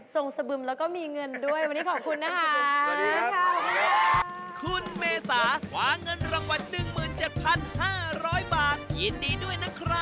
ตรงสบึมแล้วก็มีเงินด้วย